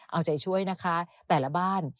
เอาใจช่วยนะคะแต่ละบ้าน